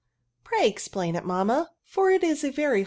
^' Pray explain it, mamma, for it is a very